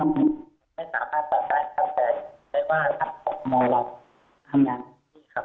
แต่ไม่ว่าจะออกหมอหลังทำงานที่นี่ครับ